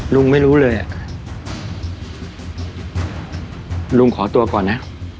ลุงไม่รู้เลยอ่ะลุงขอตัวก่อนนะ